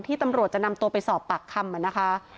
ตำรวจจะนำตัวไปสอบปากคำนะคะ